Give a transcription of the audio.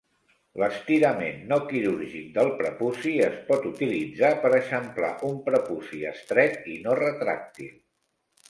L'estirament no quirúrgic del prepuci es pot utilitzar per eixamplar un prepuci estret i no retràctil.